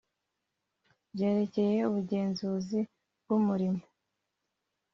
byerekeye ubugenzuzi bw umurimo